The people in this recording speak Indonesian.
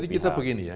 jadi kita begini ya